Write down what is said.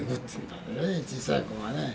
小さい子がね。